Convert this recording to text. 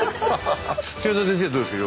千田先生はどうですか？